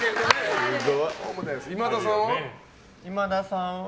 今田さんは？